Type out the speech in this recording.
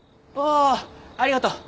ああありがとう。